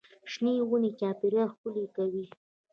شنې ونې چاپېریال ښکلی کوي.